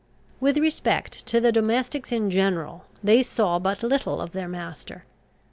With respect to the domestics in general, they saw but little of their master.